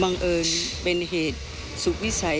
บังเอิญเป็นเหตุสุขวิสัย